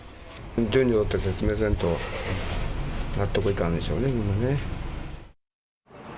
順序を追って説明せんと、納得いかんでしょうね、皆ね。